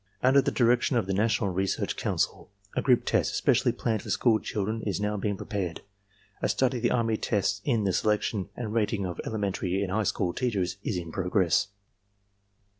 Under the direction of the National Research Council, a group test especially planned for school children is now being prepared. A study of the army tests in the selection and rating of ele mentary and high school teachers is in progress.